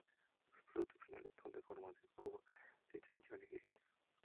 Los productos finales son de forma de cubo, sin tensión y grietas.